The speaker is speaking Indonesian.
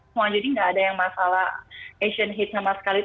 semua jadi nggak ada yang masalah asian heat sama sekali